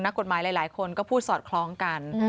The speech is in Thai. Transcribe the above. นักกฎหมายหลายเขาพูดสอดคล้องกัน